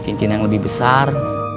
cincin yang lebih besar